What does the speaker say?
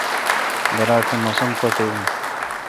درا تہ موسم کت این